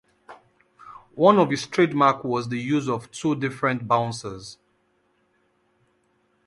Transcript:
One of his trademarks was the use of two different bouncers.